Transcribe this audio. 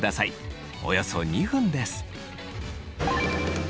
およそ２分です。